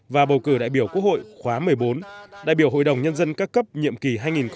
và bầu cử đại biểu quốc hội khóa một mươi bốn đại biểu hội đồng nhân dân các cấp nhiệm kỳ hai nghìn hai mươi một hai nghìn hai mươi sáu